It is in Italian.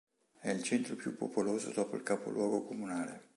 È il centro più popoloso dopo il capoluogo comunale.